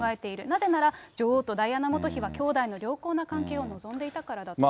なぜなら、女王とダイアナ元妃は兄弟の良好な関係を望んでいたからだと。